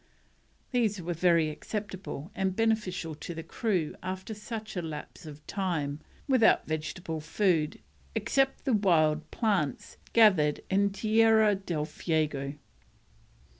These were very acceptable and beneficial to the crew after such a lapse of time without vegetable food except the wild plants gathered in Tierra del Fuego.